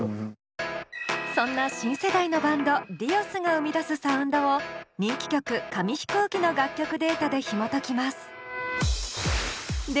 そんな新世代のバンドＤｉｏｓが生み出すサウンドを人気曲「紙飛行機」の楽曲データでひもときます。